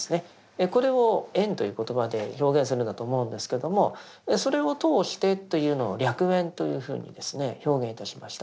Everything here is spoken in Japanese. これを縁という言葉で表現するんだと思うんですけどもそれを通してというのを歴縁というふうに表現いたしました。